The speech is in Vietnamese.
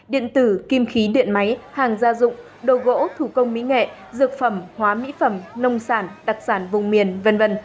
điện tử kim khí điện máy hàng gia dụng đồ gỗ thủ công mỹ nghệ dược phẩm hóa mỹ phẩm nông sản đặc sản vùng miền v v